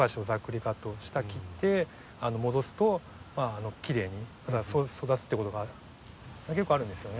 下切って戻すときれいに育つっていうことが結構あるんですよね。